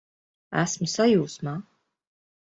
Esmu sajūsmā!